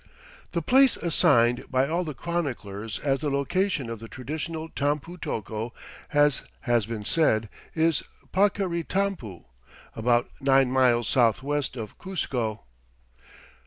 The place assigned by all the chroniclers as the location of the traditional Tampu tocco, as has been said, is Paccaritampu, about nine miles southwest of Cuzco.